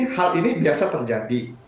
hal ini biasa terjadi